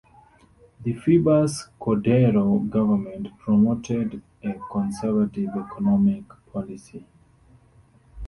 The Febres Cordero government promoted a conservative economic policy.